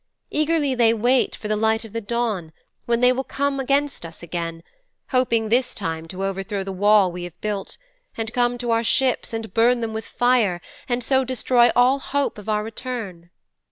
Eagerly they wait for the light of the dawn when they will come against us again, hoping this time to overthrow the wall we have builded, and come to our ships and burn them with fire, and so destroy all hope of our return."'